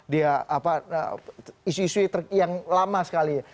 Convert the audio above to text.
dia apa isu isu yang lama sekali